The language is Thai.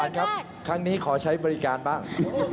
ครับครั้งนี้ขอใช้บริการบ้าง